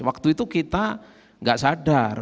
waktu itu kita nggak sadar